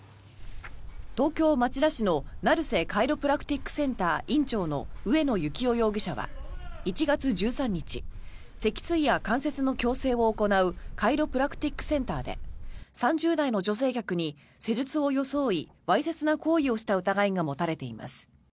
東京・町田市の成瀬カイロプラクティックセンター院長の上野幸雄容疑者は１月１３日脊椎や関節の矯正を行うカイロプラクティックセンターで３０代の女性客に施術を装いわいせつな行為をした疑いが持たれています。